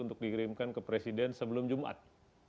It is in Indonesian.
untuk dikirimkan ke presiden sebelum jumat